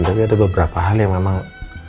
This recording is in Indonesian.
tapi ada beberapa hal yang memang